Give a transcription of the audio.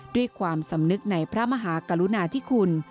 ด้วยความสำนึกในพระมหากรุณาธิคุณ